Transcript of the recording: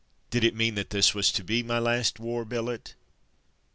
" Did it mean that this was to be my last war billet.?